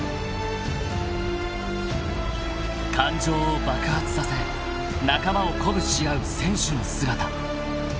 ［感情を爆発させ仲間を鼓舞し合う選手の姿］